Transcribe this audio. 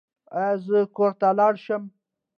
ایا زه کور ته لاړ شم؟